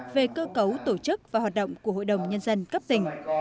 về cơ cấu tổ chức và hoạt động của hội đồng nhân dân cấp tỉnh